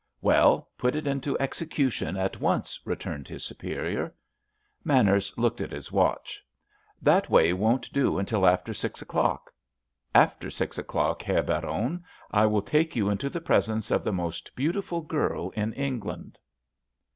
"Well, put it into execution at once," returned his superior. Manners looked at his watch. "That way won't do until after six o'clock. After six o'clock, Herr Baron, I will take you into the presence of the most beautiful girl in England."